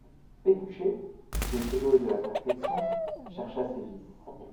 Pécuchet, désireux de la perfection, chercha ses vices.